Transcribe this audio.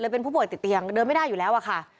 เป็นผู้ป่วยติดเตียงเดินไม่ได้อยู่แล้วอะค่ะ